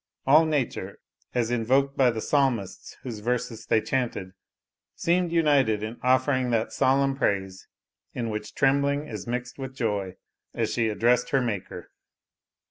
All nature, as invoked by the Psalmist whose verses they chanted, seemed united in offering that solemn praise in which trembling is mixed with joy as she addressed her Maker.